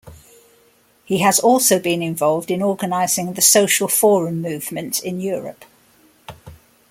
He has also been involved in organising the Social Forum movement in Europe.